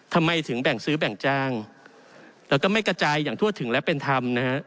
ทำไมถึงแบ่งซื้อแบ่งจ้างแล้วก็ไม่กระจายอย่างทั่วถึงและเป็นธรรมนะฮะ